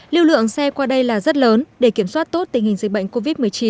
lưu lượng xe qua đây là rất lớn để kiểm soát tốt tình hình dịch bệnh covid một mươi chín